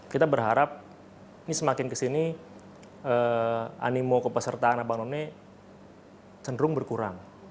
kita berharap ini semakin kesini animo kepesertaan abang none cenderung berkurang